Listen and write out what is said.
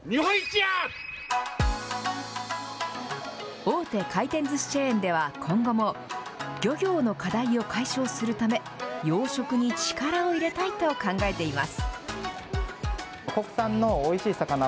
大手回転ずしチェーンでは、今後も漁業の課題を解消するため、養殖に力を入れたいと考えています。